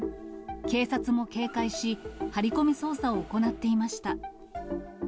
警察も警戒し、張り込み捜査を行っていました。